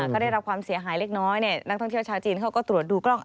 ก็ได้รับความเสียหายเล็กน้อยนักท่องเที่ยวชาวจีนเขาก็ตรวจดูกล้อง